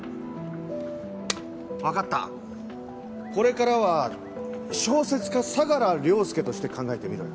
分かったこれからは小説家相良凌介として考えてみろよ。